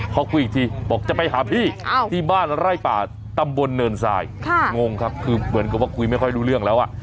พอคุยอีกทีบอกจะไปหาพี่ที่บ้านไร่ป่าตำบลเนินทรายงงครับคือเหมือนกับว่าคุยไม่ค่อยรู้เรื่องแล้ว